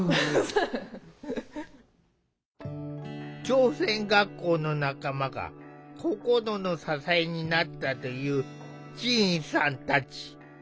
朝鮮学校の仲間が心の支えになったというちいんさんたち。